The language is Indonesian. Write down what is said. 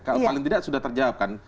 kalau paling tidak sudah terjawab kan